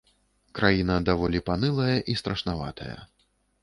Краіна даволі панылая і страшнаватая.